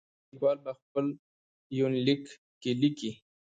ليکوال په خپل يونليک کې ليکي.